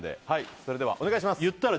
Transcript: それではお願いします。